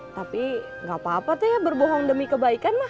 tapi gak apa apa tuh ya berbohong demi kebaikan mah